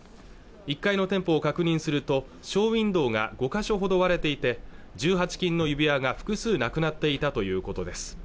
１階の店舗を確認するとショーウィンドウが５箇所ほど割れていて１８金の指輪が複数なくなっていたということです